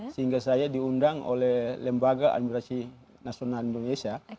sehingga saya diundang oleh lembaga administrasi nasional indonesia